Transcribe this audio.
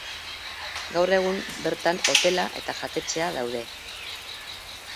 Gaur egun bertan hotela eta jatetxea daude.